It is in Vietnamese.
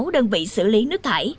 hai mươi sáu đơn vị xử lý nước thải